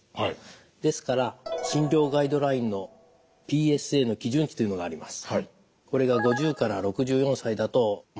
ですから診療ガイドラインのＰＳＡの基準値というのがあります。